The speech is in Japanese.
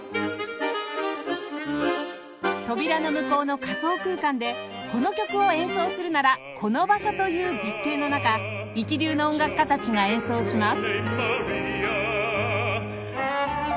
扉の向こうの仮想空間でこの曲を演奏するならこの場所という絶景の中一流の音楽家たちが演奏します